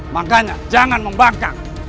makanya jangan membangkang